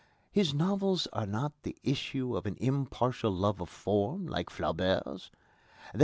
His novels are not the issue of an impartial love of form, like Flaubert's.